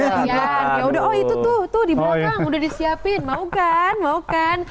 ya udah oh itu tuh di belakang udah disiapin mau kan mau kan